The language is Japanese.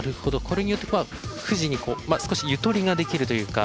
これによって「藤」に少しゆとりができるというか。